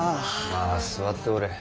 まあ座っておれ。